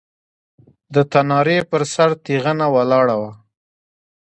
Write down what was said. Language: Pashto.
د تنارې پر سر تېغنه ولاړه وه.